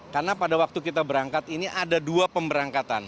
karena pada waktu kita berangkat ini ada dua pemberangkatan